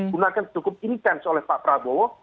gunakan tukup intents oleh pak prabowo